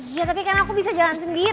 iya tapi kan aku bisa jalan sendiri